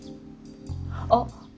あっ。